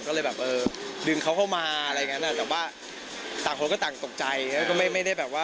ก็เลยดึงเข้ามาต่างคนก็ต่างตกใจ